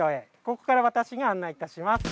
ここからわたしが案内いたします。